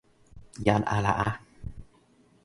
jan ala a.